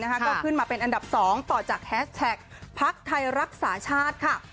ก็ขึ้นมาเป็นอันดับ๒ต่อจากแฮชแท็กพักไทยรักษาชาติค่ะ